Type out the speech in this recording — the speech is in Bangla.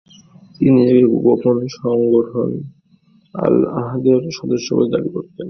তিনি নিজেকে গোপন সংগঠন আল-আহদের সদস্য বলে দাবি করতেন।